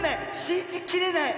しんじきれない！